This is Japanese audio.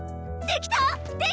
できた！